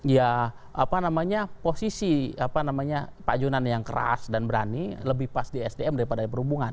ya apa namanya posisi apa namanya pak jonan yang keras dan berani lebih pas di sdm daripada perhubungan